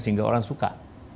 sehingga orang suka